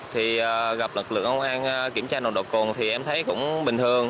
thì gặp lực lượng công an kiểm tra nồng độ cồn thì em thấy cũng bình thường